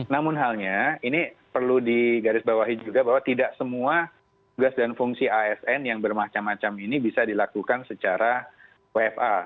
namun halnya ini perlu digarisbawahi juga bahwa tidak semua tugas dan fungsi asn yang bermacam macam ini bisa dilakukan secara wfa